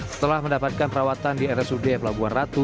setelah mendapatkan perawatan di rsud pelabuhan ratu